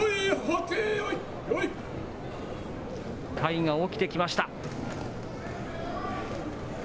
体が起きてきました。